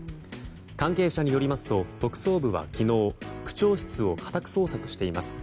関係者によりますと特捜部は昨日区長室を家宅捜索しています。